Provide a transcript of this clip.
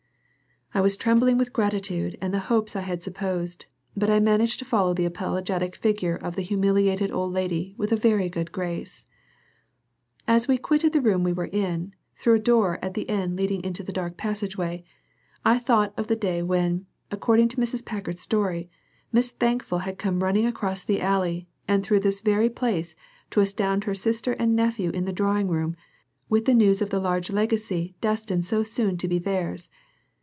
I was trembling with gratitude and the hopes I had suppressed, but I managed to follow the apologetic figure of the humiliated old lady with a very good grace. As we quitted the room we were in, through a door at the end leading into the dark passageway, I thought of the day when, according to Mrs. Packard's story, Miss Thankful had come running across the alley and through this very place to astound her sister and nephew in the drawing room with the news of the large legacy destined so soon to be theirs.